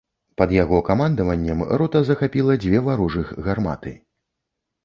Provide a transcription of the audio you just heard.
Пад яго камандаваннем рота захапіла дзве варожых гарматы.